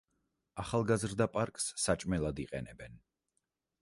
ახალგაზრდა პარკს საჭმელად იყენებენ.